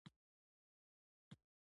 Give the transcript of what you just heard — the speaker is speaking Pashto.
نور دوه یې زخمیان وو چې سخت ټپي شوي وو.